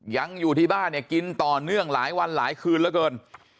ยังอยู่ที่บ้านเนี่ยกินต่อเนื่องหลายวันหลายคืนเหลือเกิน